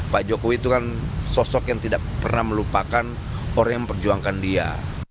pak jokowi itu kan sosok yang tidak pernah melupakan orang yang memperjuangkan dia